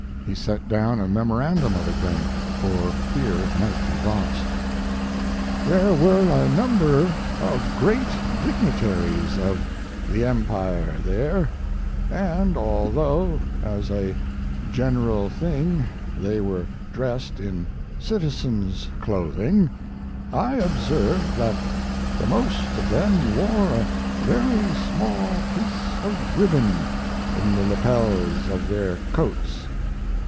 He set down a memorandum of it, then, for fear it might be lost: There were a number of great dignitaries of the Empire there, and although, as a general thing, they were dressed in citizen's clothing, I observed that the most of them wore a very small piece of ribbon in the lapels of their coats.